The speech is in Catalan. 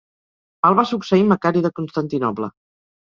El va succeir Macari de Constantinoble.